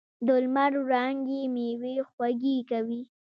د لمر وړانګې میوې خوږې کوي.